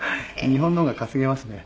日本の方が稼げますね。